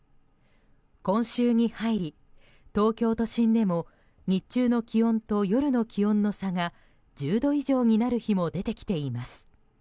今週に入り、東京都心でも日中の気温と夜の気温の差が１０度以上になる日も出てきています。